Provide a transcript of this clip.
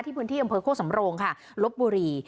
ที่พื้นที่อำเภอโค้สำโรงลบบุรี